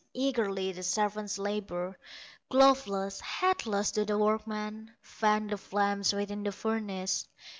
Eagerly the servants labor, Gloveless, hatless, do the workmen Fan the flames within the furnace.